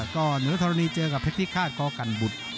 ก็เหนือธรณีเจอกับเพชรพิฆาตกกันบุตร